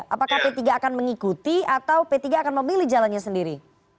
apakah p tiga akan mengikuti atau p tiga akan memilih jalannya sendiri